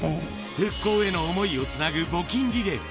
復興への想いをつなぐ募金リレー。